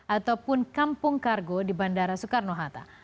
ataupun kampung kargo di bandara soekarno hatta